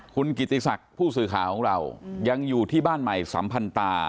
คุณกิติศักดิ์ผู้สื่อข่าวของเรายังอยู่ที่บ้านใหม่สัมพันตา